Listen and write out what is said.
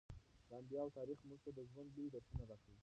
د انبیاوو تاریخ موږ ته د ژوند لوی درسونه راکوي.